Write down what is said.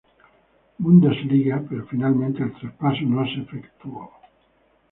Bundesliga, pero finalmente el traspaso no se efectuó.